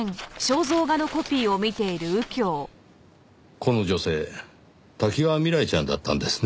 この女性多岐川未来ちゃんだったんですね。